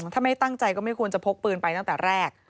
ถ้าไม่ตั้งใจก็ไม่ควรจะพกปืนไปตั้งแต่แรก